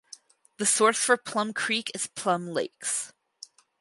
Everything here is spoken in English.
The source for Plum Creek is Plum Lakes.